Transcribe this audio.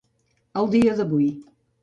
El dia d'avui.